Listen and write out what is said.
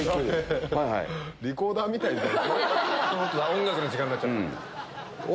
音楽の時間になっちゃった。